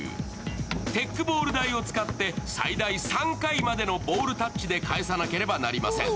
テックボール台を使って最大３回までのボールタッチで返さなければいけません。